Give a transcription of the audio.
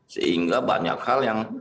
sehingga banyak hal yang